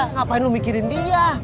ngapain lo mikirin dia